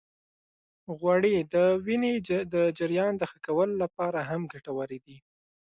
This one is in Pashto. غوړې د وینې د جريان د ښه کولو لپاره هم ګټورې دي.